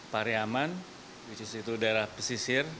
pariaman yaitu daerah pesisir